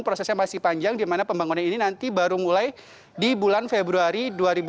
prosesnya masih panjang di mana pembangunan ini nanti baru mulai di bulan februari dua ribu dua puluh